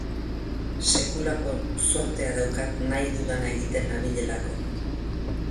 Sekulako zortea daukat nahi dudana egiten nabilelako.